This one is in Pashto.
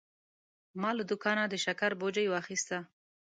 ما له دوکانه د شکر بوجي واخیسته.